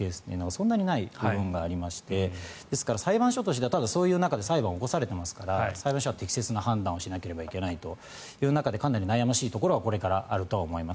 そんなにない部分がありましてですから裁判所としてはそういう中で裁判を起こされているので適正な判断をしないといけないのでかなり悩ましいところはこれからあると思います。